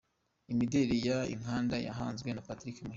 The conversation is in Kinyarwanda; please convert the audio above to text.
Imideli ya Inkanda-Yahanzwe na Patrick Muhire.